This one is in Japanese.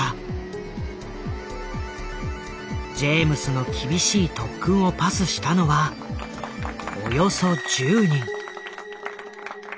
ジェームスの厳しい特訓をパスしたのはおよそ１０人。